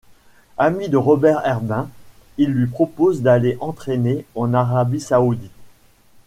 Ami de Robert Herbin, il lui propose d'aller entrainer en Arabie saoudite.